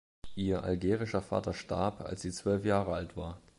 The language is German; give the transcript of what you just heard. Ihr algerischer Vater starb, als sie zwölf Jahre alt war.